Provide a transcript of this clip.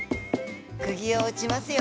くぎを打ちますよ。